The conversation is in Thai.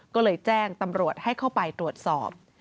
ก็เลยแจ้งตำรวจให้เข้าไปตรวจสอบ